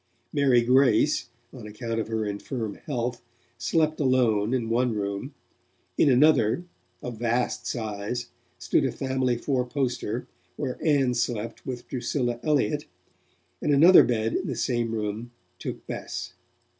Mary Grace, on account of her infirm health, slept alone in one room; in another, of vast size, stood a family fourposter, where Ann slept with Drusilla Elliott, and another bed in the same room took Bess.